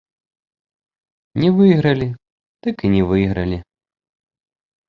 Не выйгралі, дык і не выйгралі.